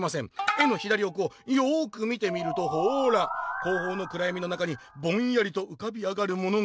絵の左おくをよく見てみるとほら後方のくらやみの中にぼんやりとうかび上がるものが」。